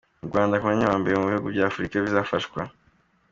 U Rwanda ku mwanya wa mbere mu bihugu bya Afurika bizafashwa